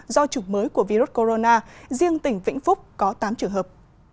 do chủng mới của virus corona riêng tỉnh vĩnh phúc có tám trường hợp